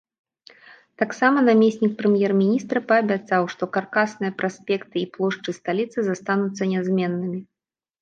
Таксама намеснік прэм'ер-міністра паабяцаў, што каркасныя праспекты і плошчы сталіцы застануцца нязменнымі.